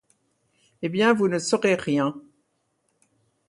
Eh bien, vous ne saurez rien!